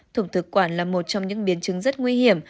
thùng thực quản là một trong những biến chứng rất nguy hiểm